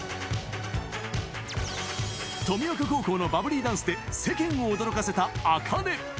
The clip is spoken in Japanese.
登美丘高校のバブリーダンスで世間を驚かせたａｋａｎｅ。